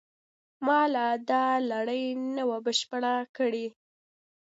ما لا دا لړۍ نه وه بشپړه کړې.